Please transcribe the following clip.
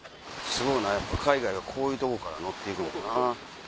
すごいなやっぱ海外はこういうとこから乗って行くんやな。